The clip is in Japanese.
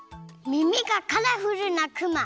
みみがカラフルなクマ！